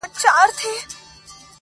په نارو یو له دنیا له ګاونډیانو؛